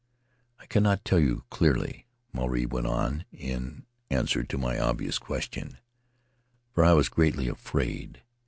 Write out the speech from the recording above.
"I cannot tell you clearly," Maruae went on, in answer to my obvious question, 'for I was greatly afraid.